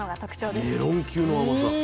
メロン級の甘さ。